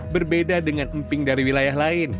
berbeda dengan emping dari wilayah lain